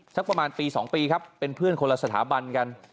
สักประมาณปี๒ปีครับเป็นเพื่อนคนละสถาบันกัน